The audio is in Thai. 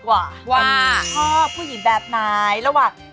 ชอบผู้หญิงแบบอะไรระหว่าง